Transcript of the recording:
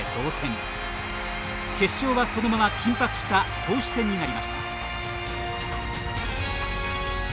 決勝はそのまま緊迫した投手戦になりました。